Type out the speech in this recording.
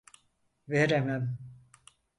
Veremem.